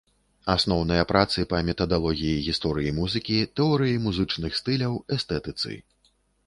Асноўныя працы па метадалогіі гісторыі музыкі, тэорыі музычных стыляў, эстэтыцы.